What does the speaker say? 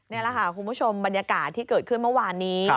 นี่แหละค่ะคุณผู้ชมบรรยากาศที่เกิดขึ้นเมื่อวานนี้